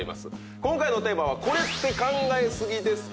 今回のテーマは「コレって考えすぎですか」と。